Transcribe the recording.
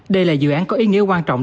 đây là dự án có ý nghĩa quan trọng